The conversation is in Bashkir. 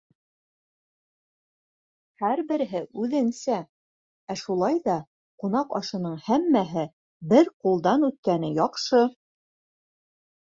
Һәр береһе үҙенсә, ә шулай ҙа ҡунаҡ ашының һәммәһе бер ҡулдан үткәне яҡшы.